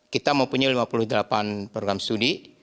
kita mempunyai lima puluh delapan program studi